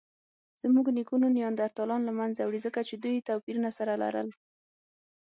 زموږ نیکونو نیاندرتالان له منځه وړي؛ ځکه چې دوی توپیرونه سره لرل.